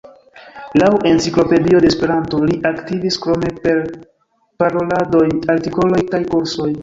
Laŭ "Enciklopedio de Esperanto", li aktivis krome per paroladoj, artikoloj kaj kursoj.